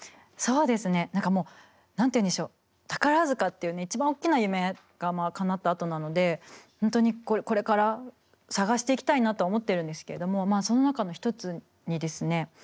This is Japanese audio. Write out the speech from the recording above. そうですね何かもう何ていうんでしょう宝塚っていうね一番おっきな夢がかなったあとなので本当にこれから探していきたいなとは思ってるんですけれどもその中の一つにですね